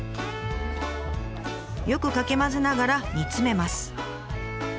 よくかき混ぜながら煮詰めます。